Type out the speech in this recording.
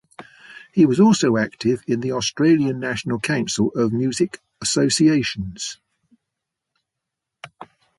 He was also active in the Australian National Council of Music Associations.